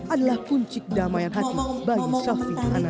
adalah kunci damai hati bagi sofi ananda